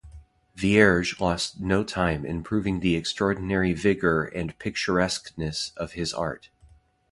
Vierge lost no time in proving the extraordinary vigour and picturesqueness of his art.